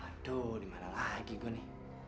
aduh dimana lagi gue nih